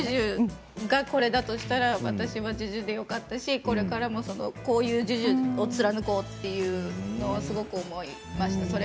ＪＵＪＵがこれだとしたら私はＪＵＪＵでよかったしこれからもこういうＪＵＪＵを貫こうというのをすごく思いました。